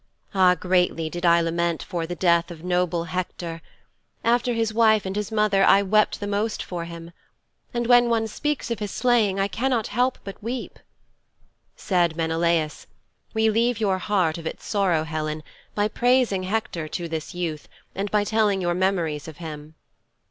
Ah, greatly did I lament for the death of noble Hector! After his wife and his mother I wept the most for him. And when one speaks of his slaying I cannot help but weep.' Said Menelaus, 'Relieve your heart of its sorrow, Helen, by praising Hector to this youth and by telling your memories of him.'